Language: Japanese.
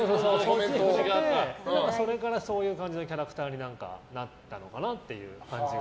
それからそういう感じのキャラクターになったのかなっていう感じが。